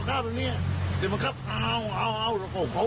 เขาเป็นเนี้ยแต่มันกับเอาเอาเอาอะไรเขาเออ